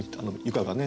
床がね